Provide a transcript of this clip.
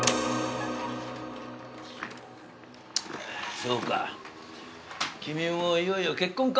そうか君もいよいよ結婚か。